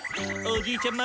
おじいちゃん